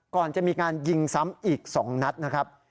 ก่อนจะมีการยิงซ้ำอีก๒นัดนะครับ